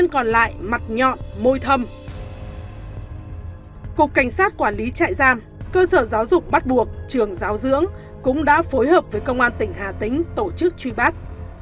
cơ sở giáo dục bắt buộc trường giáo dưỡng cũng đã phối hợp với công an tỉnh hà tĩnh tổ chức truy bắt